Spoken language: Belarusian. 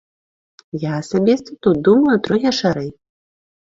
Я асабіста тут думаю трохі шырэй.